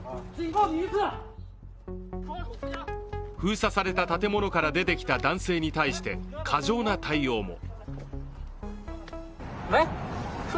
封鎖された建物から出てきた男性に対して過剰な対応も。